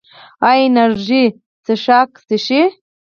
ایا انرژي څښاک څښئ؟